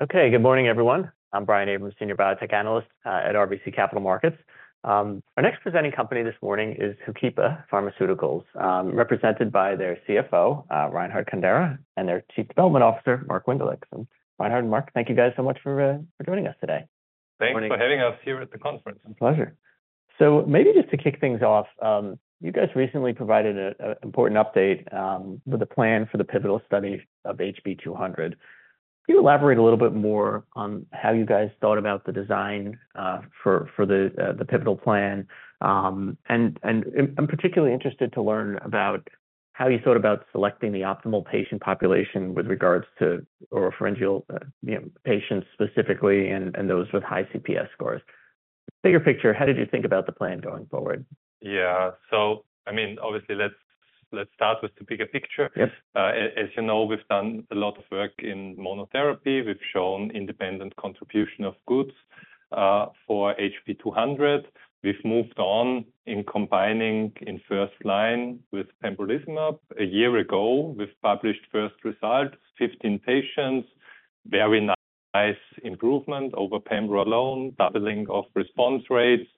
Okay, good morning, everyone. I'm Brian Abrahams, Senior Biotech Analyst, at RBC Capital Markets. Our next presenting company this morning is HOOKIPA Pharma, represented by their CFO, Reinhard Kandera, and their Chief Development Officer, Mark Winderlich. So Reinhard and Mark, thank you guys so much for joining us today. Thanks for having us here at the conference. My pleasure. So maybe just to kick things off, you guys recently provided an important update with a plan for the pivotal study of HB-200. Can you elaborate a little bit more on how you guys thought about the design for the pivotal plan? And I'm particularly interested to learn about how you thought about selecting the optimal patient population with regards to oropharyngeal, you know, patients specifically and those with high CPS scores. Bigger picture, how did you think about the plan going forward? Yeah, so, I mean, obviously, let's, let's start with the bigger picture. Yep. As you know, we've done a lot of work in monotherapy. We've shown independent contribution of HB-200. We've moved on in combining in first line with pembrolizumab. A year ago, we've published first results, 15 patients, very nice improvement over pembro alone, doubling of response rates.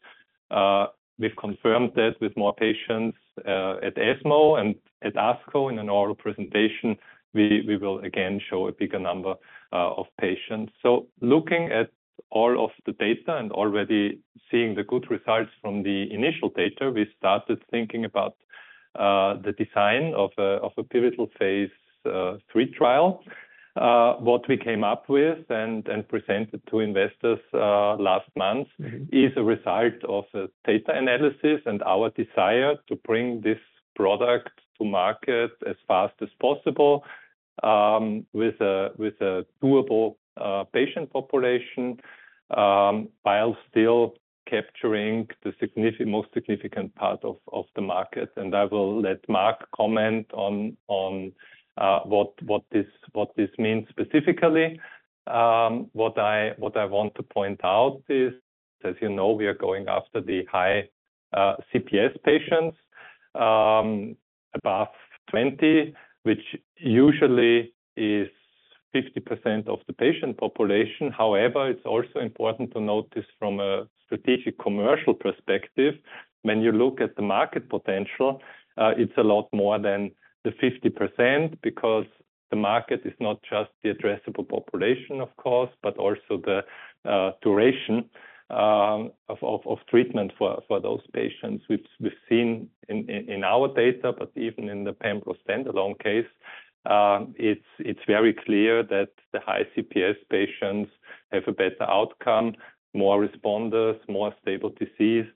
We've confirmed that with more patients, at ESMO and at ASCO. In an oral presentation, we will again show a bigger number of patients. So looking at all of the data and already seeing the good results from the initial data, we started thinking about the design of a pivotal Phase 3 trial. What we came up with and presented to investors last month is a result of a data analysis and our desire to bring this product to market as fast as possible, with a doable patient population, while still capturing the most significant part of the market. And I will let Mark comment on what this means specifically. What I want to point out is, as you know, we are going after the high CPS patients, above 20, which usually is 50% of the patient population. However, it's also important to note this from a strategic commercial perspective. When you look at the market potential, it's a lot more than the 50%, because the market is not just the addressable population, of course, but also the duration of treatment for those patients. We've seen in our data, but even in the pembro standalone case, it's very clear that the high CPS patients have a better outcome, more responders, more stable disease,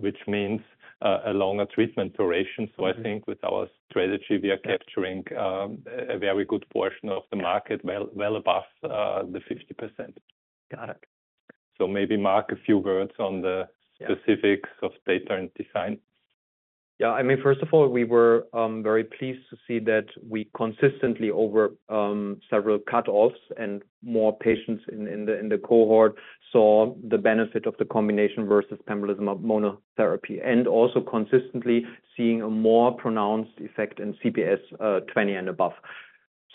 which means a longer treatment duration. So I think with our strategy, we are capturing a very good portion of the market, well above the 50%. Got it. Maybe Mark, a few words on the specifics of data and design. Yeah, I mean, first of all, we were very pleased to see that we consistently over several cutoffs and more patients in the cohort saw the benefit of the combination versus pembrolizumab monotherapy, and also consistently seeing a more pronounced effect in CPS 20 and above.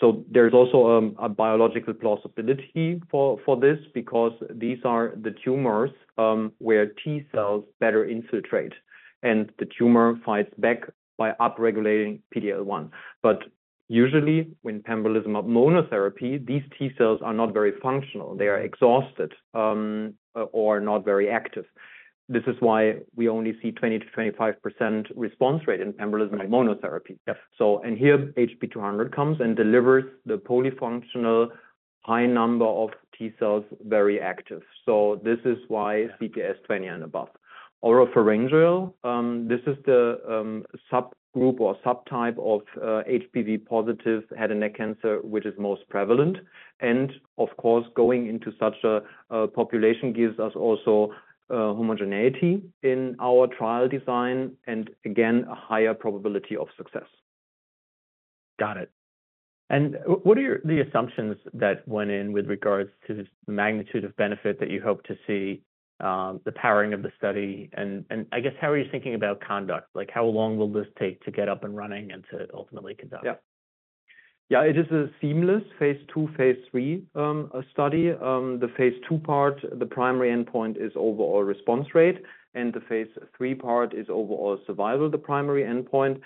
So there's also a biological plausibility for this, because these are the tumors where T cells better infiltrate, and the tumor fights back by upregulating PD-L1. But usually when pembrolizumab monotherapy, these T cells are not very functional. They are exhausted, or not very active. This is why we only see 20%-25% response rate in pembrolizumab monotherapy. Yep. So, and here HB-200 comes and delivers the polyfunctional high number of T cells very active. So this is why CPS 20 and above. Oropharyngeal, this is the subgroup or subtype of HPV positive head and neck cancer, which is most prevalent. And of course, going into such a population gives us also homogeneity in our trial design and again, a higher probability of success. Got it. And what are the assumptions that went in with regards to the magnitude of benefit that you hope to see, the powering of the study? And, and I guess how are you thinking about conduct? Like, how long will this take to get up and running and to ultimately conduct? Yeah. Yeah, it is a seamless Phase 2, Phase 3 study. The Phase 2 part, the primary endpoint is overall response rate, and the Phase 3 part is overall survival, the primary endpoint.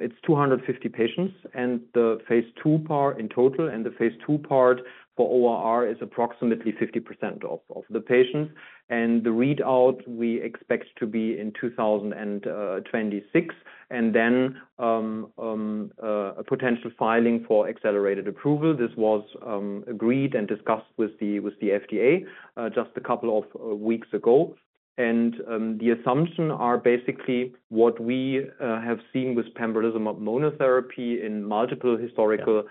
It's 250 patients and the Phase 2 part in total and the Phase 2 part for ORR is approximately 50% of the patients. The readout we expect to be in 2026. Then, a potential filing for accelerated approval. This was agreed and discussed with the FDA just a couple of weeks ago. The assumptions are basically what we have seen with pembrolizumab monotherapy in multiple historical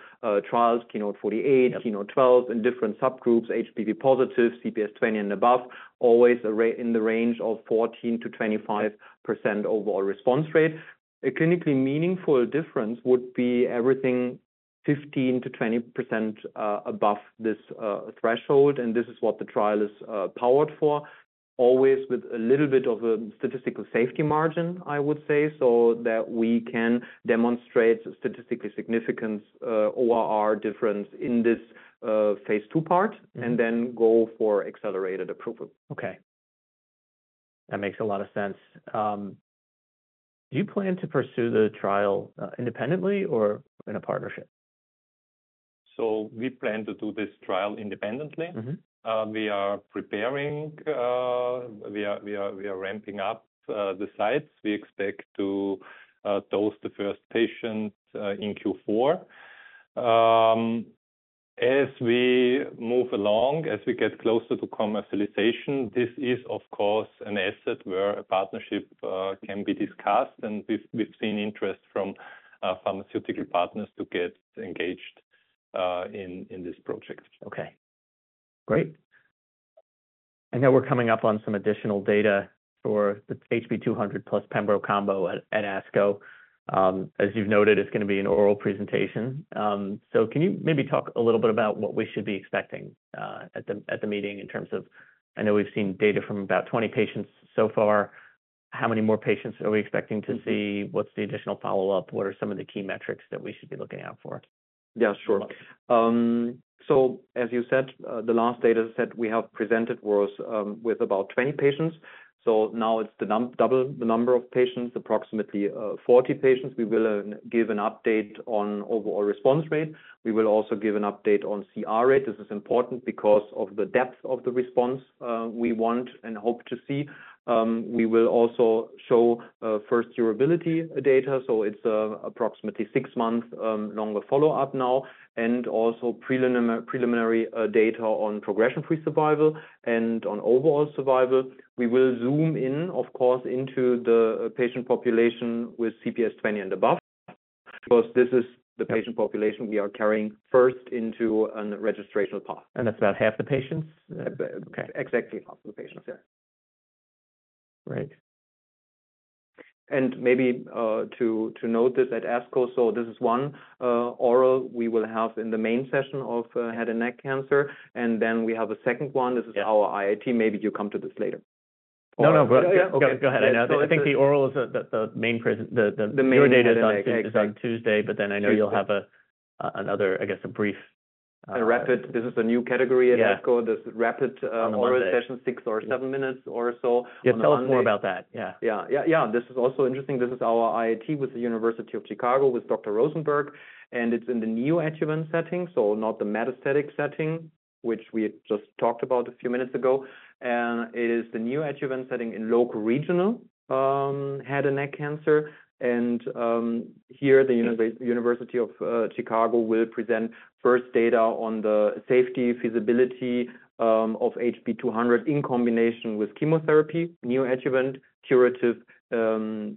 trials, KEYNOTE-048, KEYNOTE-012, in different subgroups, HPV positive, CPS 20 and above, always a rate in the range of 14%-25% overall response rate. A clinically meaningful difference would be everything 15%-20% above this threshold. This is what the trial is powered for, always with a little bit of a statistical safety margin, I would say, so that we can demonstrate statistically significant ORR difference in this Phase 2 part and then go for accelerated approval. Okay. That makes a lot of sense. Do you plan to pursue the trial, independently or in a partnership? So we plan to do this trial independently. We are preparing; we are ramping up the sites. We expect to dose the first patient in Q4. As we move along, as we get closer to commercialization, this is, of course, an asset where a partnership can be discussed. And we've seen interest from pharmaceutical partners to get engaged in this project. Okay. Great. I know we're coming up on some additional data for the HB-200 plus pembro combo at ASCO. As you've noted, it's going to be an oral presentation. So can you maybe talk a little bit about what we should be expecting at the meeting in terms of I know we've seen data from about 20 patients so far. How many more patients are we expecting to see? What's the additional follow-up? What are some of the key metrics that we should be looking out for? Yeah, sure. So as you said, the last data set we have presented was with about 20 patients. So now it's the number double the number of patients, approximately, 40 patients. We will give an update on overall response rate. We will also give an update on CR rate. This is important because of the depth of the response we want and hope to see. We will also show first durability data. So it's an approximately 6-month longer follow-up now and also preliminary data on progression-free survival and on overall survival. We will zoom in, of course, into the patient population with CPS 20 and above, because this is the patient population we are carrying first into a registration path. That's about half the patients? Exactly half of the patients, yeah. Great. Maybe to note this at ASCO, so this is one oral we will have in the main session of head and neck cancer. Then we have a second one. This is our IIT. Maybe you come to this later. No, no, but yeah, go ahead. I know. I think the oral is the main presentation of your data is on Tuesday, but then I know you'll have another, I guess, a brief. A rapid. This is a new category at ASCO, this rapid oral session, six or seven minutes or so. Yeah, tell us more about that. Yeah. Yeah, yeah, yeah. This is also interesting. This is our IIT with the University of Chicago with Dr. Rosenberg. And it's in the neoadjuvant setting, so not the metastatic setting, which we just talked about a few minutes ago. And it is the neoadjuvant setting in locoregional head and neck cancer. And here the University of Chicago will present first data on the safety, feasibility of HB-200 in combination with chemotherapy, neoadjuvant, curative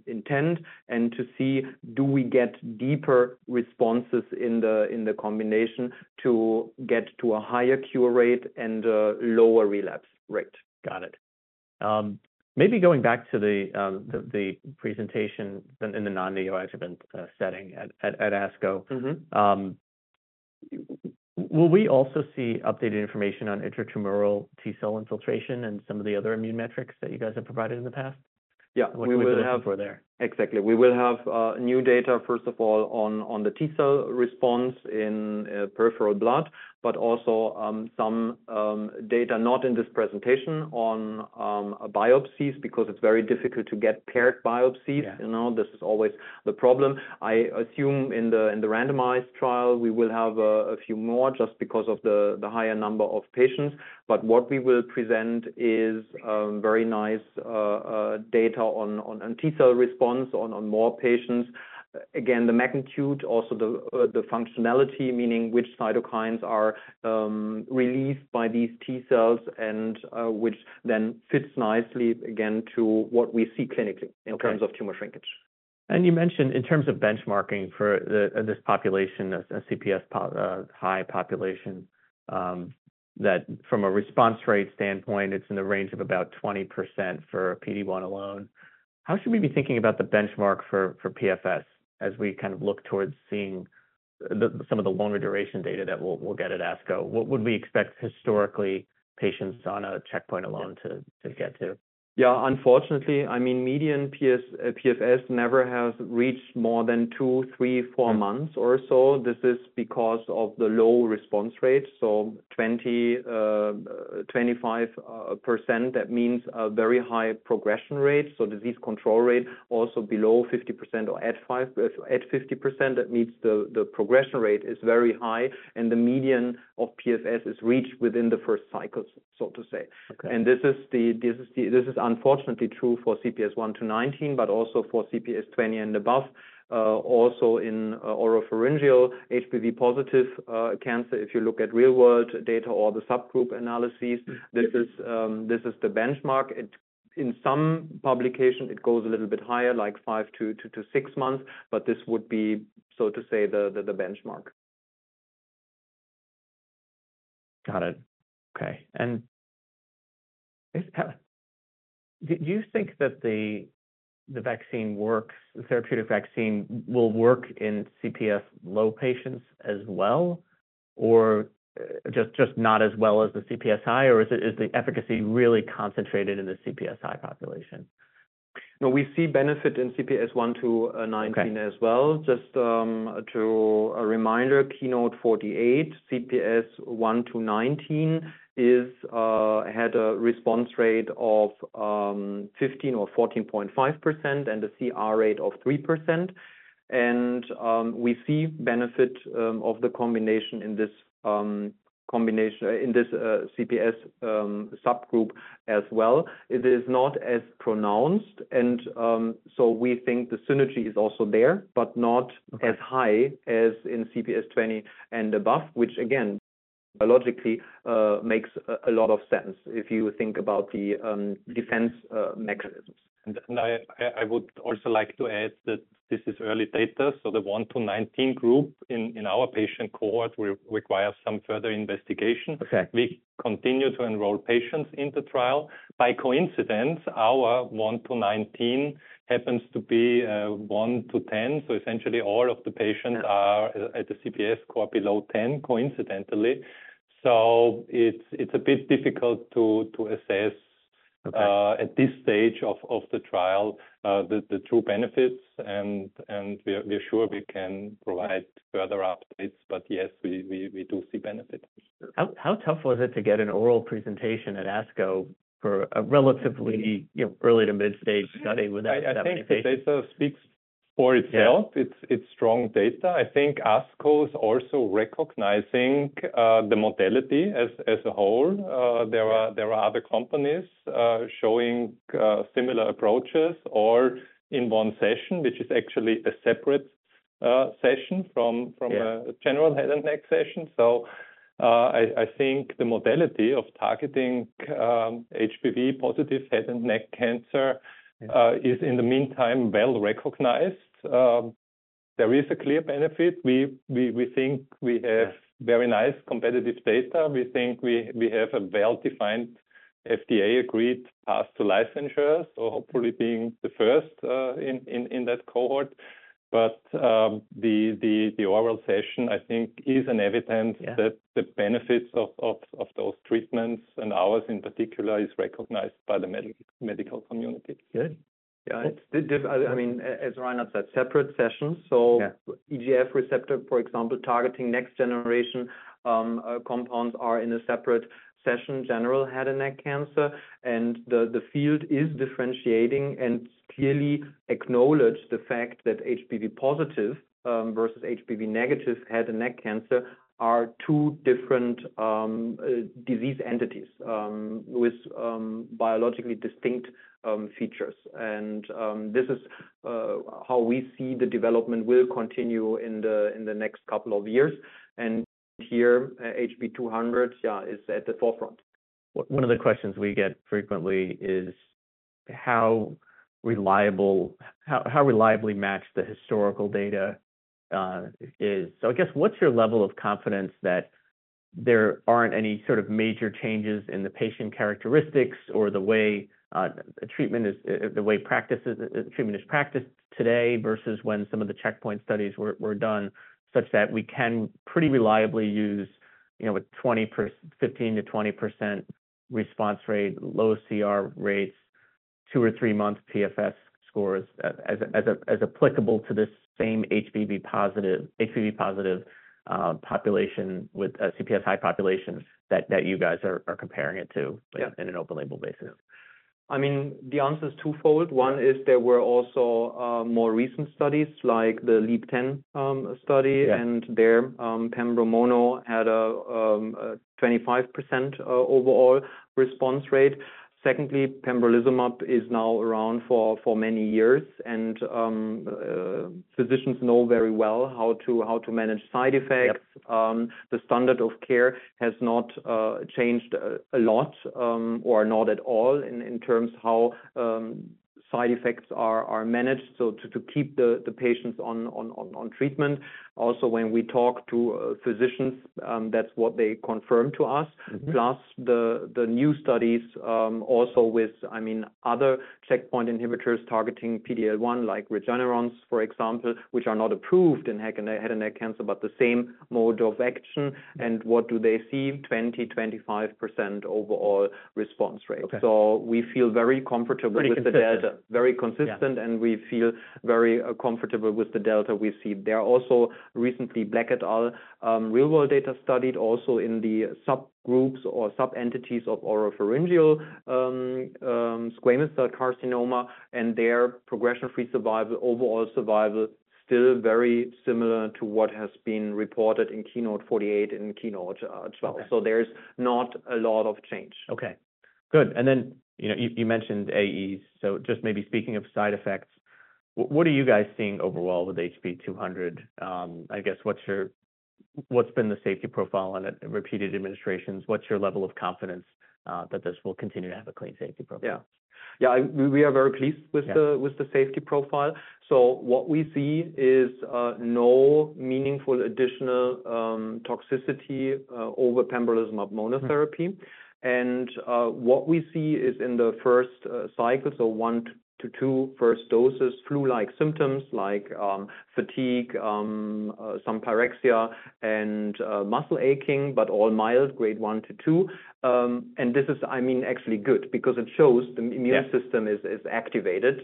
intent, and to see do we get deeper responses in the combination to get to a higher cure rate and a lower relapse rate. Got it. Maybe going back to the presentation then in the non-neoadjuvant setting at ASCO. Will we also see updated information on intratumoral T cell infiltration and some of the other immune metrics that you guys have provided in the past? Yeah, we will have. What do we look out for there? Exactly. We will have new data, first of all, on the T cell response in peripheral blood, but also some data not in this presentation on biopsies because it's very difficult to get paired biopsies. You know, this is always the problem. I assume in the randomized trial we will have a few more just because of the higher number of patients. But what we will present is very nice data on T cell response on more patients. Again, the magnitude, also the functionality, meaning which cytokines are released by these T cells and which then fits nicely again to what we see clinically in terms of tumor shrinkage. You mentioned in terms of benchmarking for this population, a CPS high population, that from a response rate standpoint, it's in the range of about 20% for PD-1 alone. How should we be thinking about the benchmark for PFS as we kind of look towards seeing some of the longer duration data that we'll get at ASCO? What would we expect historically patients on a checkpoint alone to get to? Yeah, unfortunately, I mean, median PFS never has reached more than 2, 3, 4 months or so. This is because of the low response rate. So 20, 25%, that means a very high progression rate. So disease control rate also below 50% or at 50%, that means the progression rate is very high and the median of PFS is reached within the first cycles, so to say. And this is unfortunately true for CPS 1-19, but also for CPS 20 and above, also in oropharyngeal HPV-positive cancer. If you look at real-world data or the subgroup analyses, this is the benchmark. In some publication it goes a little bit higher, like 5-6 months. But this would be, so to say, the benchmark. Got it. Okay. And do you think that the vaccine works, the therapeutic vaccine will work in CPS low patients as well, or just not as well as the CPS high, or is the efficacy really concentrated in the CPS high population? No, we see benefit in CPS 1-19 as well. Just as a reminder, KEYNOTE-048, CPS 1-19 had a response rate of 15% or 14.5% and a CR rate of 3%. We see benefit of the combination in this combination in this CPS subgroup as well. It is not as pronounced. So we think the synergy is also there, but not as high as in CPS 20 and above, which again, biologically, makes a lot of sense if you think about the defense mechanisms. And I would also like to add that this is early data. So the 1-19 group in our patient cohort requires some further investigation. We continue to enroll patients in the trial. By coincidence, our 1-19 happens to be a 1-10. So essentially all of the patients are at the CPS score below 10 coincidentally. So it's a bit difficult to assess, at this stage of the trial, the true benefits. And we're sure we can provide further updates. But yes, we do see benefit. How, how tough was it to get an oral presentation at ASCO for a relatively, you know, early to mid-stage study without that benefit? I think the data speaks for itself. It's strong data. I think ASCO is also recognizing the modality as a whole. There are other companies showing similar approaches or in one session, which is actually a separate session from a general head and neck session. So, I think the modality of targeting HPV positive head and neck cancer is in the meantime well recognized. There is a clear benefit. We think we have very nice competitive data. We think we have a well-defined FDA agreed path to licensure, so hopefully being the first in that cohort. But the oral session, I think, is an evidence that the benefits of those treatments and ours in particular is recognized by the medical community. Good. Yeah. It's, I mean, as Reinhard said, separate sessions. So EGF receptor, for example, targeting next generation compounds are in a separate session, general head and neck cancer. And the field is differentiating and clearly acknowledge the fact that HPV positive versus HPV negative head and neck cancer are two different disease entities with biologically distinct features. And this is how we see the development will continue in the next couple of years. And here, HB-200, yeah, is at the forefront. One of the questions we get frequently is how reliable, how reliably matched the historical data is. So I guess what's your level of confidence that there aren't any sort of major changes in the patient characteristics or the way treatment is practiced today versus when some of the checkpoint studies were done, such that we can pretty reliably use, you know, a 20%, 15%-20% response rate, low CR rates, two or three months PFS as applicable to this same HPV-positive population with a CPS-high population that you guys are comparing it to in an open-label basis? I mean, the answer is twofold. One is there were also more recent studies like the LEAP-010 study and there, pembro mono had a 25% overall response rate. Secondly, pembrolizumab is now around for many years. And physicians know very well how to manage side effects. The standard of care has not changed a lot, or not at all in terms how side effects are managed. So to keep the patients on treatment. Also, when we talk to physicians, that's what they confirm to us. Plus the new studies, also with, I mean, other checkpoint inhibitors targeting PD-L1 like Regeneron's, for example, which are not approved in head and neck cancer, but the same mode of action. And what do they see? 20%-25% overall response rate. So we feel very comfortable with the data, very consistent, and we feel very comfortable with the data we see. There are also recent Black et al. real-world data studied also in the subgroups or subentities of oropharyngeal squamous cell carcinoma. And their progression-free survival, overall survival, still very similar to what has been reported in KEYNOTE-048 and KEYNOTE-012. So there's not a lot of change. Okay. Good. And then, you know, you mentioned AEs. So just maybe speaking of side effects, what are you guys seeing overall with HB-200? I guess what's your what's been the safety profile on it repeated administrations? What's your level of confidence that this will continue to have a clean safety profile? Yeah. Yeah, we are very pleased with the safety profile. So what we see is no meaningful additional toxicity over pembrolizumab monotherapy. And what we see is in the first cycle, so 1-2 first doses, flu-like symptoms like fatigue, some pyrexia and muscle aching, but all mild, grade 1-2. And this is, I mean, actually good because it shows the immune system is activated,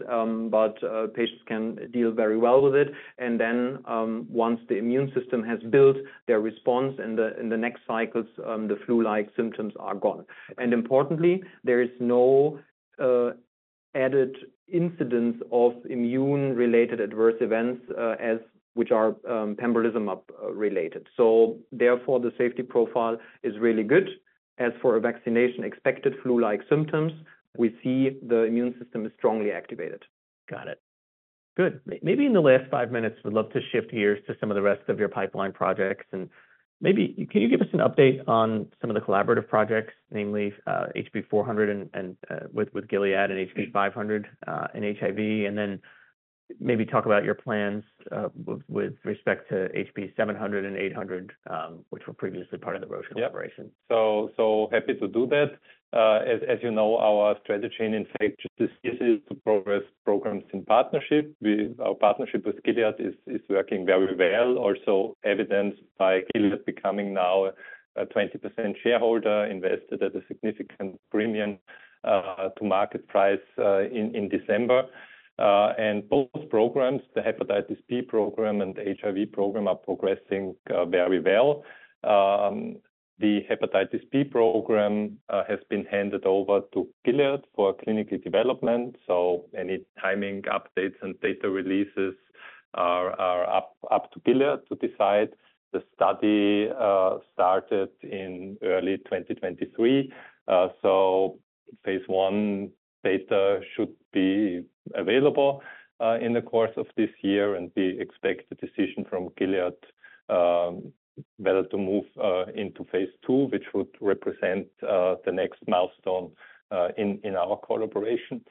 but patients can deal very well with it. And then, once the immune system has built their response in the next cycles, the flu-like symptoms are gone. And importantly, there is no added incidence of immune-related adverse events, which are pembrolizumab related. So therefore the safety profile is really good. As for a vaccination expected flu-like symptoms, we see the immune system is strongly activated. Got it. Good. Maybe in the last five minutes, we'd love to shift gears to some of the rest of your pipeline projects. Maybe can you give us an update on some of the collaborative projects, namely, HB-400 and with Gilead and HB-500, in HIV, and then maybe talk about your plans, with respect to HB-700 and 800, which were previously part of the Roche collaboration. So happy to do that. As you know, our strategy, in fact, this is progress on programs in partnership. Our partnership with Gilead is working very well, also evidenced by Gilead becoming now a 20% shareholder, invested at a significant premium to market price, in December. Both programs, the hepatitis B program and the HIV program, are progressing very well. The hepatitis B program has been handed over to Gilead for clinical development. So any timing updates and data releases are up to Gilead to decide. The study started in early 2023. So Phase 1 data should be available in the course of this year and expected decision from Gilead whether to move into Phase 2, which would represent the next milestone in our collaboration.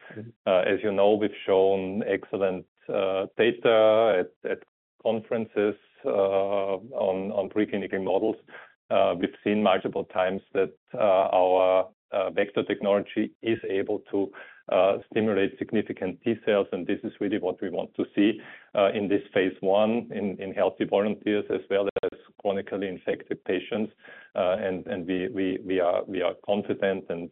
As you know, we've shown excellent data at conferences on preclinical models. We've seen multiple times that our vector technology is able to stimulate significant T cells. And this is really what we want to see in this Phase 1 in healthy volunteers as well as chronically infected patients. We are confident and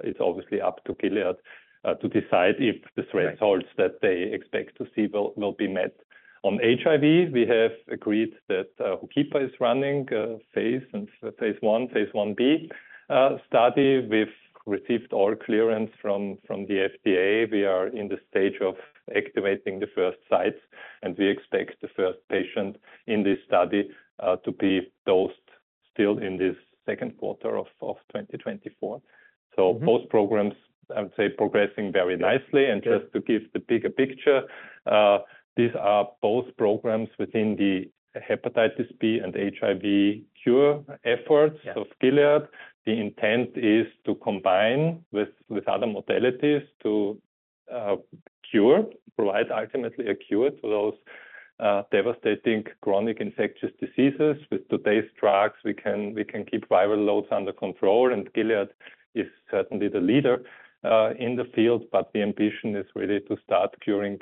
it's obviously up to Gilead to decide if the thresholds that they expect to see will be met. On HIV, we have agreed that HOOKIPA is running Phase 1 and Phase 1b study. We've received all clearance from the FDA. We are in the stage of activating the first sites. And we expect the first patient in this study to be dosed still in this second quarter of 2024. So both programs, I would say, progressing very nicely. Just to give the bigger picture, these are both programs within the Hepatitis B and HIV cure efforts of Gilead. The intent is to combine with other modalities to provide ultimately a cure to those devastating chronic infectious diseases. With today's drugs, we can keep viral loads under control. And Gilead is certainly the leader in the field. But the ambition is really to start curing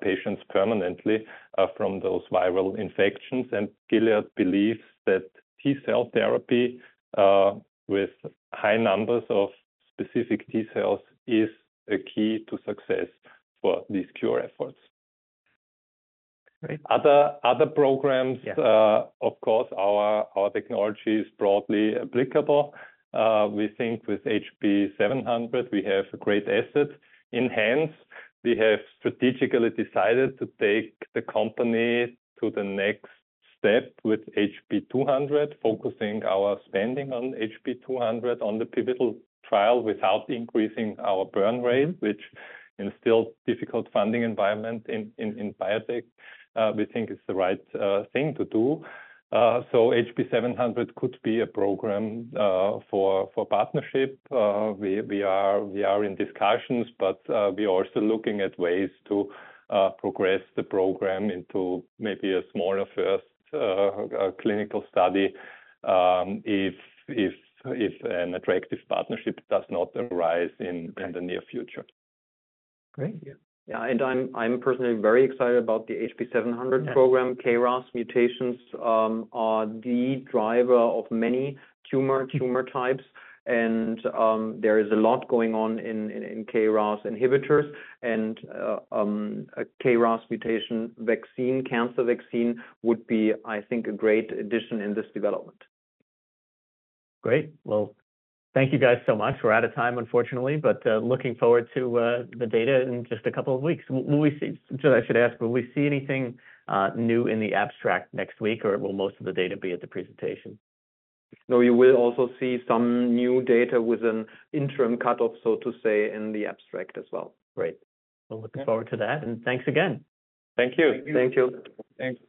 patients permanently from those viral infections. And Gilead believes that T cell therapy with high numbers of specific T cells is a key to success for these cure efforts. Great. Other programs, of course, our technology is broadly applicable. We think with HB-700 we have a great asset in hand. We have strategically decided to take the company to the next step with HB-200, focusing our spending on HB-200 on the pivotal trial without increasing our burn rate, which in a still difficult funding environment in biotech, we think is the right thing to do. So HB-700 could be a program for partnership. We are in discussions, but we are also looking at ways to progress the program into maybe a smaller first clinical study, if an attractive partnership does not arise in the near future. Great. Yeah. Yeah. And I'm personally very excited about the HB-700 program. KRAS mutations are the driver of many tumor types. And there is a lot going on in KRAS inhibitors. And a KRAS mutation vaccine, cancer vaccine would be, I think, a great addition in this development. Great. Well, thank you guys so much. We're out of time, unfortunately, but looking forward to the data in just a couple of weeks. Will we see, should I ask, will we see anything new in the abstract next week or will most of the data be at the presentation? No, you will also see some new data with an interim cutoff, so to say, in the abstract as well. Great. Well, looking forward to that. Thanks again. Thank you. Thank you. Thanks.